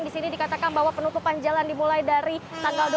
di sini dikatakan bahwa penutupan jalan dimulai dari tanggal dua puluh